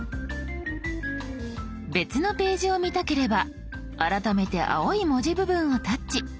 別のページを見たければ改めて青い文字部分をタッチ。